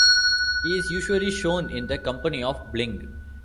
He is usually shown in the company of Bling.